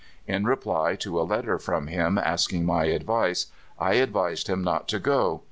In reply to a letter from him asking my advice, I advised him not to go.